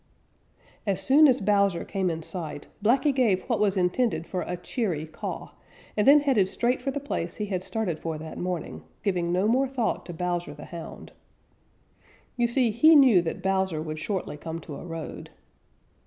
As soon as Bowser came in sight, Blacky gave what was intended for a cheery caw and then headed straight for the place he had started for that morning, giving no more thought to Bowser the Hound. You see, he knew that Bowser would shortly come to a road.